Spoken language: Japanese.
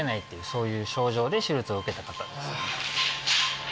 そういう症状で手術を受けた方ですね。